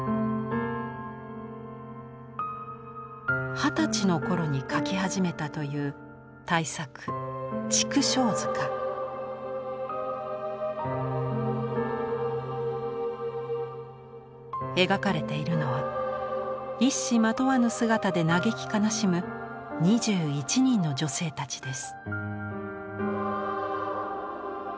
二十歳の頃に描き始めたという大作描かれているのは一糸まとわぬ姿で嘆き悲しむ２１人の女性たちです。